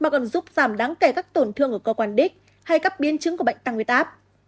giảm đáng kể các tổn thương của cơ quan đích hay các biên chứng của bệnh tăng huyết áp